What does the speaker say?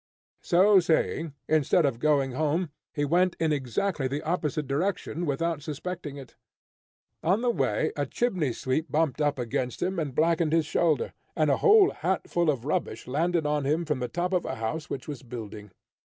So saying, instead of going home, he went in exactly the opposite direction without suspecting it. On the way, a chimney sweep bumped up against him, and blackened his shoulder, and a whole hatful of rubbish landed on him from the top of a house which was building.